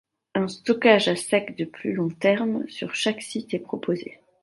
Un stockage à sec de plus long terme sur chaque site est proposé.